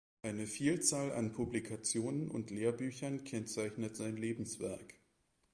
Eine Vielzahl an Publikationen und Lehrbüchern kennzeichnet sein Lebenswerk.